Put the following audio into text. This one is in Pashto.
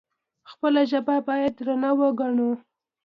خپله ژبه باید درنه وګڼو.